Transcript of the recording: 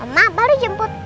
ma baru jemput